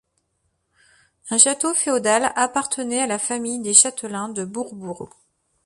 Un château féodal appartenait à la famille des châtelains de Bourbourg.